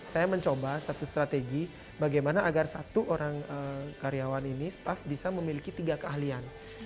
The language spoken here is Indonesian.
saya mencoba satu strategi bagaimana agar satu orang karyawan ini staff bisa memiliki tiga keahlian